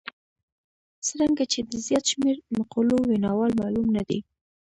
څرنګه چې د زیات شمېر مقولو ویناوال معلوم نه دي.